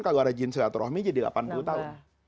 kalau ada jin silatur rohmi jadi delapan puluh tahun